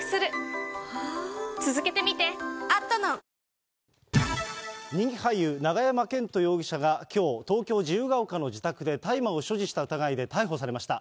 続く人気俳優、永山絢斗容疑者がきょう、東京・自由が丘の自宅で大麻を所持した疑いで逮捕されました。